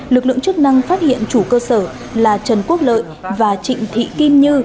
lực lượng chức năng phát hiện chủ cơ sở là trần quốc lợi và trịnh thị kim như